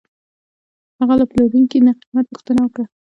هغه له پلورونکي نه قیمت پوښتنه وکړه.